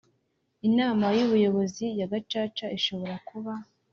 Inama y ubuyobozi ya gacaca ishobora kuba